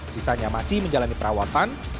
sisanya masih menjalani perawatan